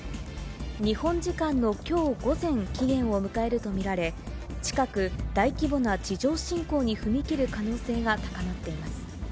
日本時間のきょう午前、期限を迎えると見られ、近く大規模な地上侵攻に踏み切る可能性が高まっています。